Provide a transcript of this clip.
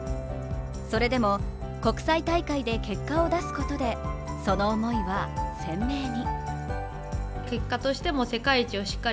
それでも、国際大会で結果を出すことでその思いは鮮明に。